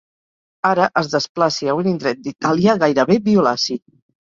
Ara es desplaci a un indret d'Itàlia gairebé violaci.